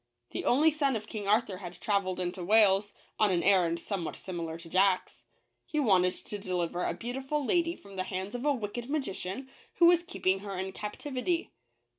The only son of King Arthur had traveled into Wales, on an errand somewhat similar to Jack's. He wanted to deliver a beautiful lady from the hands of a wicked magician, who was keeping her in captivity.